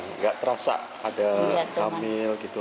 nggak terasa ada hamil gitu